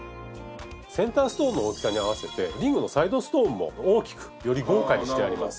センターストーンの大きさに合わせてリングのサイドストーンも大きくより豪華にしてあります。